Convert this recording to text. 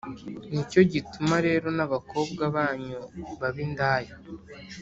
Ni cyo gituma rero n’abakobwa banyu baba indaya,